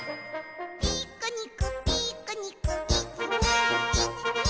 「ピクニックピクニックいちにいちに」